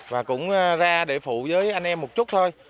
và cũng ra để phụ với anh em một chút thôi